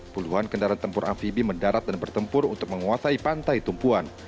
puluhan kendaraan tempur amfibi mendarat dan bertempur untuk menguasai pantai tumpuan